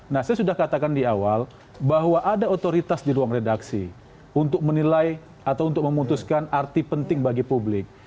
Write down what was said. nah saya sudah katakan di awal bahwa ada otoritas di ruang redaksi untuk menilai atau untuk memutuskan arti penting bagi publik